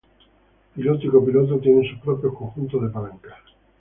Piloto y copiloto tienen su propio conjunto de palancas.